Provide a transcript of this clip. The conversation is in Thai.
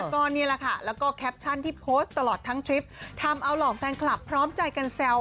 ก็นี่แหละค่ะแล้วก็แคปชั่นที่โพสต์ตลอดทั้งทริปทำเอาเหล่าแฟนคลับพร้อมใจกันแซว